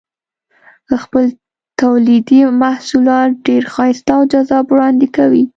خپل تولیدي محصولات ډېر ښایسته او جذاب وړاندې کوي.